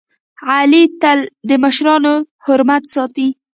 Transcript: علي تل د مشرانو حرمت ساتي.